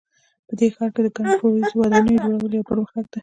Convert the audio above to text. په دې ښار کې د ګڼ پوړیزو ودانیو جوړول یو پرمختګ ده